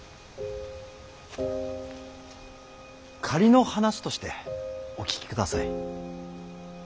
仮の話としてお聞きください。